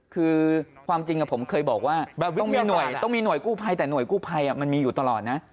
คือความจริงผมเคยบอกว่าต้องมีหน่วยกู้ไพรแต่หน่วยกู้ไพรมันมีอยู่ตลอดนะ